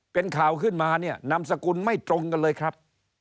เป็นข่าวขึ้นมาเนี่ยนามสกุลไม่ตรงกันเลยครับ